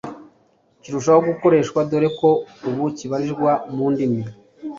kirushaho gukoreshwa dore ko ubu kibarirwa mu ndimi